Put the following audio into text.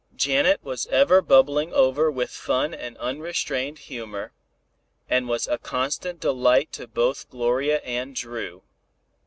Janet was ever bubbling over with fun and unrestrained humor, and was a constant delight to both Gloria and Dru.